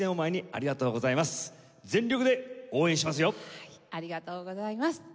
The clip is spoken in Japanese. ありがとうございます。